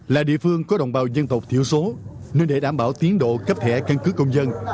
là địa phương có đồng bào dân tộc thiểu số nên để đảm bảo tiến độ cấp thẻ căn cứ công dân